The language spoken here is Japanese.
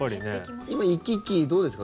今、行き来どうですか？